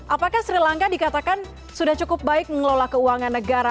apakah sri lanka dikatakan sudah cukup baik mengelola keuangan negara